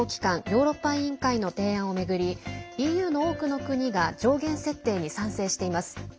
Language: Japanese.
ヨーロッパ委員会の提案を巡りＥＵの多くの国が上限設定に賛成しています。